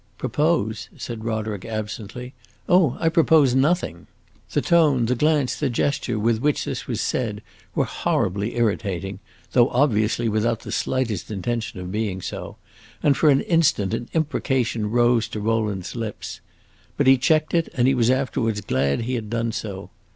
"Propose?" said Roderick, absently. "Oh, I propose nothing." The tone, the glance, the gesture with which this was said were horribly irritating (though obviously without the slightest intention of being so), and for an instant an imprecation rose to Rowland's lips. But he checked it, and he was afterwards glad he had done so.